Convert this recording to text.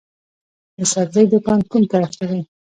د سبزۍ دکان کوم طرف ته دی؟